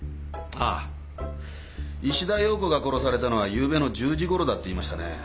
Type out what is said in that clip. あ石田洋子が殺されたのはゆうべの１０時頃だって言いましたね？